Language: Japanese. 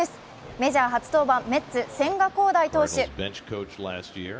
メジャー初登板、メッツ・千賀滉大選手。